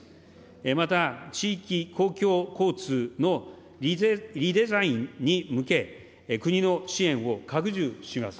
また地域公共交通のリデザインに向け、国の支援を拡充します。